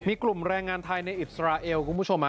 มีกลุ่มแรงงานไทยในอิสราเอลคุณผู้ชม